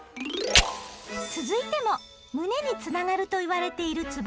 続いても胸につながるといわれているつぼ